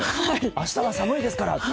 明日は寒いですからって。